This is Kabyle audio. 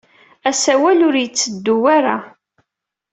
Asawal-a ur yetteddu ara.